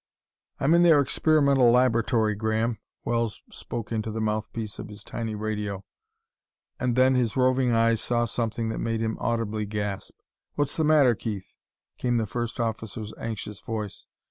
"I'm in their experimental laboratory, Graham," Wells spoke into the mouthpiece of his tiny radio. And then his roving eyes saw something that made him audibly gasp. "What's the matter, Keith?" came the first officer's anxious voice.